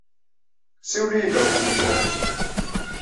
Ssiwel-iyi-d ɣef tmeṭṭut-nnek.